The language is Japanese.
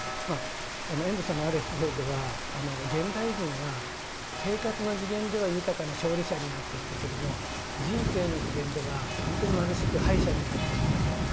まあ遠藤さんのあるエッセーでは現代人は生活の次元では豊かな勝利者になっていったけども人生の次元ではほんとに貧しく敗者になっていったと。